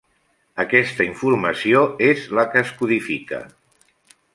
Aquesta informació és la que es codifica.